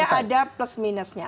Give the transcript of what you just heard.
dua duanya ada plus minusnya